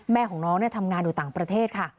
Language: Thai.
แม่ของน้องทำงานอยู่ต่างประเทศค่ะ